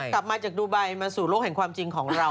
กลับมาจากดูไบมาสู่โลกแห่งความจริงของเรา